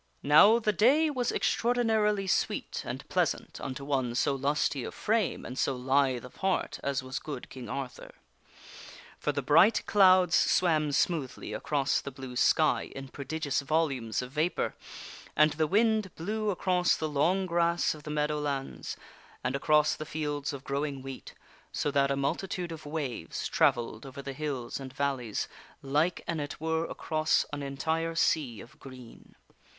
NOW, the day was extraordinarily sweet and pleasant unto one so lusty of frame and so lithe of heart as was good King Arthur. For the bright clouds swam smoothly across the blue sky in prodigious volumes of vapor, and the wind blew across the long grass of the meadow lands, and across the fields of growing wheat, so that a multi tude of waves travelled over the hills and valleys like an it were across an entire sea of green.